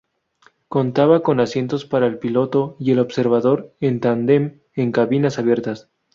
Contaba con asientos para el piloto y el observador en tándem en cabinas abiertas.